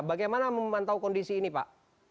bagaimana memantau kondisi ini pak